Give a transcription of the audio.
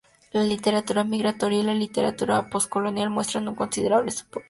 La literatura migratoria y la literatura poscolonial muestran un considerable solapamiento.